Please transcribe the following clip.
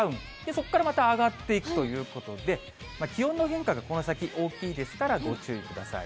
そこからまた上がっていくということで、気温の変化がこの先、大きいですからご注意ください。